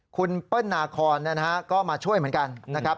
คุณเปิ้ลนาคอนก็มาช่วยเหมือนกันนะครับ